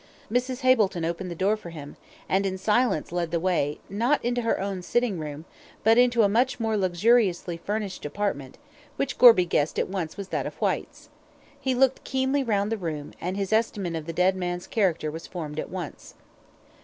Mrs. Hableton opened the door for him, and in silence led the way, not into her own sitting room, but into a much more luxuriously furnished apartment, which Gorby guessed at once was that of Whyte's. He looked keenly round the room, and his estimate of the dead man's character was formed at once.